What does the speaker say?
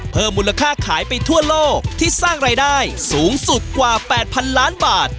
เพิ่มมูลค่าขายไปทั่วโลกที่สร้างรายได้สูงสุดกว่า๘๐๐๐ล้านบาท